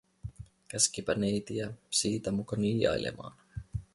Käskipä neitiä siitä muka niiailemaan.